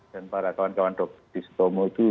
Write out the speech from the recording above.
dan para kawan kawan dokter di sutomo itu